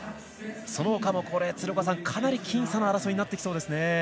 そのほかもかなり僅差の争いになってきそうですね。